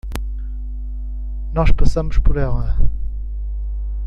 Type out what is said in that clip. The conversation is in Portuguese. Nós passamos por ela.